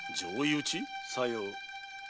さよう。